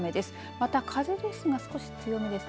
また風ですが少し強めです。